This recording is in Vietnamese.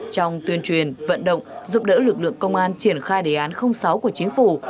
trong tuyên truyền vận động giúp đỡ lực lượng công an triển khai đề án sáu của chính phủ